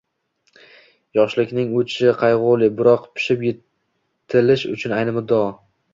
Yoshlikning o’tishi qayg’uli, biroq pishib-yetilish uchun ayni muddao.